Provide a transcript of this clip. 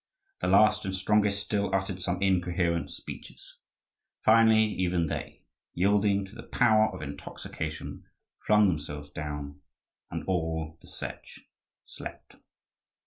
The last, and strongest, still uttered some incoherent speeches; finally even they, yielding to the power of intoxication, flung themselves down and all the Setch slept.